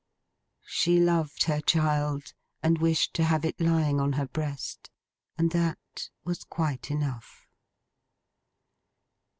She loved her child, and wished to have it lying on her breast. And that was quite enough.